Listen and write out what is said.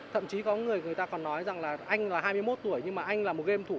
thậm chí có người người ta còn nói rằng là anh là hai mươi một tuổi nhưng mà anh là một game thủ